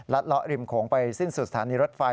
ลัดละริมโขงไปสิ้นสุดฐานในรถไฟ